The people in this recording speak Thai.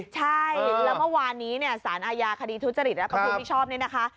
ใช่แล้วเมื่อวานนี้สารอาญาคดีทุจริตและประพฤติมิชชอบเนี่ยนะคะ